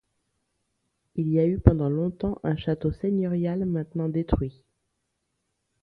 Il y a eu pendant longtemps un château seigneurial maintenant détruit.